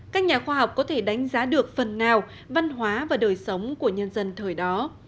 các nhà khoa học có thể đánh giá được phần nào văn hóa và đời sống của nhân dân thời đó